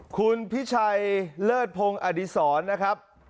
คุณพิชัยเลิศพงศ์อดีศรนะครับ